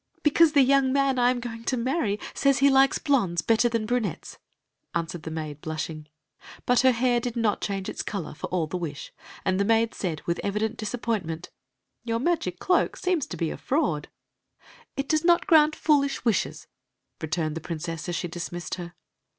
" Because the young man I am going to marry says he likes blondes better than brunettes," answered the maid, blushing. But her hair did not change its color, for all the wish ; and the maid said, with evident disappoint ment: ,*• Your magic cloak seems to be a traud. "It does not grant foolish wishes," returned the princess, as she dismissed her.